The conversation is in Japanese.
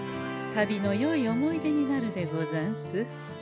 旅のよい思い出になるでござんす。